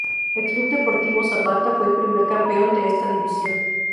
El Club Deportivo Zapata fue el primer campeón de esta división.